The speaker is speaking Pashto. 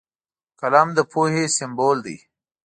قلم د پوهې سمبول دی